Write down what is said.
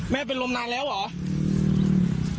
เป็นลมนานแล้วเหรอ